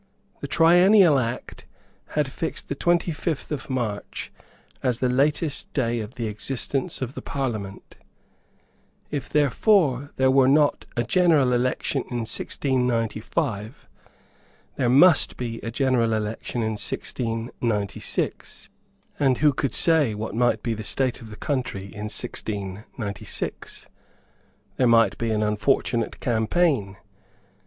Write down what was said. The Triennial Act had fixed the twenty fifth of March as the latest day of the existence of the Parliament. If therefore there were not a general election in 1695, there must be a general election in 1696; and who could say what might be the state of the country in 1696? There might be an unfortunate campaign.